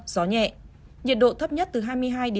gió nhẹ nhiệt độ thấp nhất từ hai mươi hai hai mươi năm độ